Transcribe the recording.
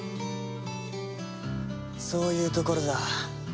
そういうところだ。